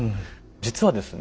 実はですね